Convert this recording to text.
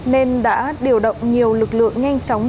nên đã điều động nhiều lực lượng nhanh chóng